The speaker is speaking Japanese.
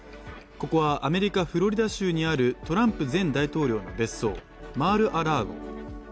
ここはアメリカ・フロリダ州にあるトランプ前大統領の別荘、マール・ア・ラーゴ。